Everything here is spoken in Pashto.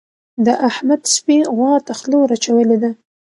د احمد سپي غوا ته خوله ور اچولې ده.